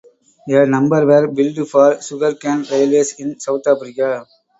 A number were built for sugarcane railways in South Africa.